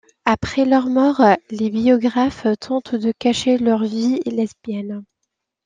Après leur mort, les biographes tentent de cacher leur vie lesbienne.